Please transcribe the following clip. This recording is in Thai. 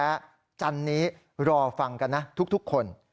เพราะว่ามีทีมนี้ก็ตีความกันไปเยอะเลยนะครับ